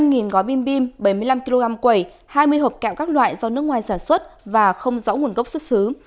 năm gói bim bim bảy mươi năm kg quầy hai mươi hộp kẹo các loại do nước ngoài sản xuất và không rõ nguồn gốc xuất xứ